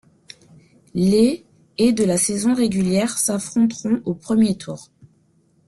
Les et de la saison régulière s'affronteront au premier tour.